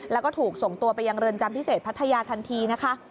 แล้วก็ถูกส่งตัวไปยังเรือนจำพิเศษพัทยาทันทีนะคะ